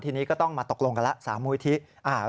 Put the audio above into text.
ทีนี้ก็ต้องมาตกลงกันแล้ว๓มูลิธิ